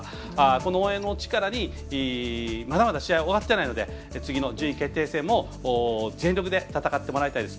この応援を力にまだまだ試合、終わってないので次の順位決定戦も全力で戦ってもらいたいです。